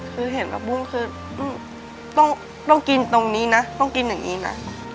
คือเห็นผักบุ้งคือต้องกินตรงนี้นะต้องกินอย่างนี้นะ